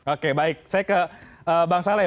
oke baik saya ke bang saleh